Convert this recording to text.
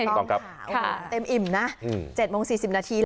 จุดต้องข่าวเต็มอิ่มนะ๗โมง๔๐นาที